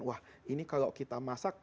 wah ini kalau kita masak